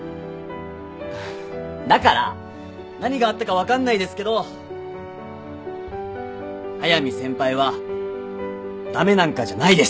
だから何があったか分かんないですけど速見先輩は駄目なんかじゃないです！